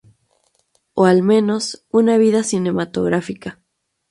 O, al menos, una vida cinematográfica.